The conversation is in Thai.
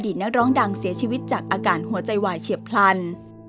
นักร้องดังเสียชีวิตจากอาการหัวใจวายเฉียบพลัน